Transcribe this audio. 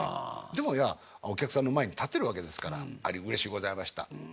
でもお客さんの前に立てるわけですからうれしゅうございました。